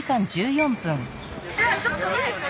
じゃあちょっといいですか。